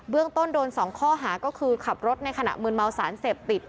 เรื่องต้นโดน๒ข้อหาก็คือขับรถในขณะมืนเมาสารเสพติด